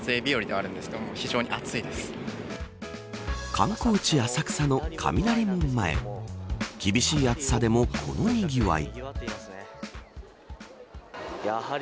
観光地、浅草の雷門前厳しい暑さでもこのにぎわい。